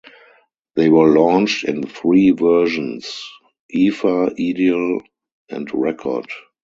They were launched in three versions: Eva, Ideal and Rekord.